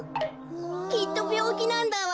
きっとびょうきなんだわ。